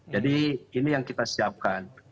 jadi ini yang kita siapkan